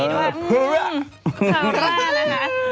ความราค่ะ